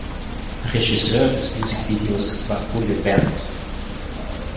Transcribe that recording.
Regisseur des Musikvideos war Bulle Bernd.